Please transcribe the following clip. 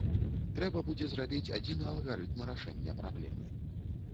Трэба будзе зрабіць адзіны алгарытм рашэння праблемы.